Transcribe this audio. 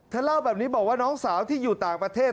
เล่าแบบนี้บอกว่าน้องสาวที่อยู่ต่างประเทศ